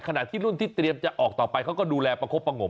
ขณะที่รุ่นที่เตรียมจะออกต่อไปเขาก็ดูแลประคบประงม